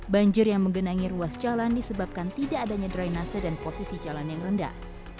banjir yang menggenangi ruas jalan disebabkan tidak adanya drainase dan posisi jalan yang rendah